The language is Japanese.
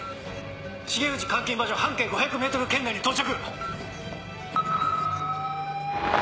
重藤監禁場所半径５００ｍ圏内に到着！